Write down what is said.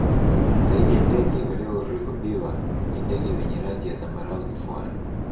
Zaidi ya ndege waliorikodiwa ni ndege wenye rangi ya zambarau kifuani